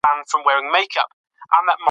لوستونکی د شعر له ژبې خوند اخلي.